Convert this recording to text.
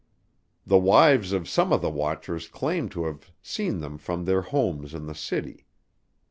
The wives of some of the watchers claimed to have seen them from their homes in the city.